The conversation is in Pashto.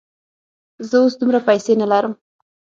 زه اوس دومره پیسې نه لرم.